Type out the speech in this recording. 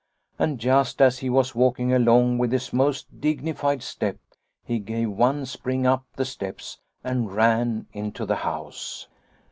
And just as he was walking along with his most dignified step he gave one spring up the steps and ran into the house.